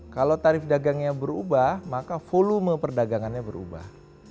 kalau tarif dagangnya berubah maka volume perdagangannya berubah